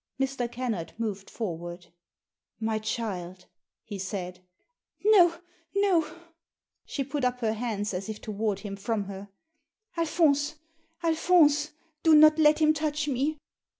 Mr. Kennard moved forward. •* My child! "he said No, no !She put up her hands as if to ward him from her. "Alphonse! Alphonse! Do not let him touch me